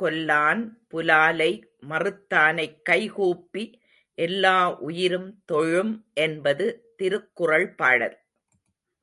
கொல்லான் புலாலை மறுத்தனைக் கைகூப்பி எல்லா உயிரும் தொழும் என்பது திருக்குறள் பாடல்.